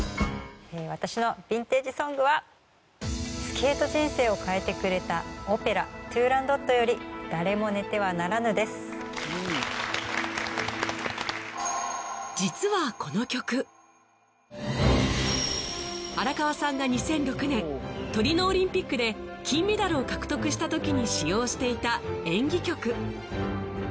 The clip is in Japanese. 私のヴィンテージ・ソングはスケート人生を変えてくれたオペラ『トゥーランドット』より『誰も寝てはならぬ』です。荒川さんが２００６年トリノオリンピックで金メダルを獲得した時に使用していた演技曲